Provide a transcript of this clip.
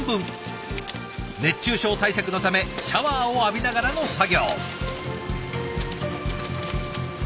熱中症対策のためシャワーを浴びながらの作業。